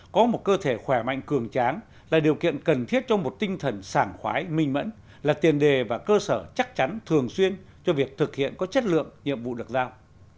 có một cơ thể khỏe mạnh cường tráng là điều kiện cần thiết cho một tinh thần sảng khoái minh mẫn là tiền đề và cơ sở chắc chắn thường xuyên cho việc thực hiện có chất lượng nhiệm vụ được giao